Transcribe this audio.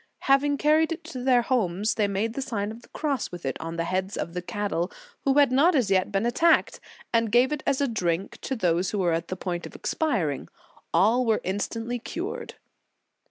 Having carried it to their homes they made the Sign of the Cross with it on the heads of the cattle who had not as yet been attacked, and gave it as a drink to those who were at the point of expiring; all were instantly cured.